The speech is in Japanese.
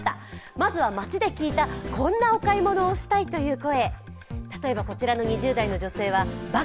まずは、街で聞いたこんなお買い物をしたいという声。